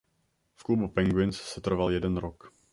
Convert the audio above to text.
V klubu Penguins setrval jeden rok.